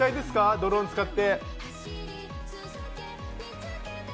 ドローンを使って。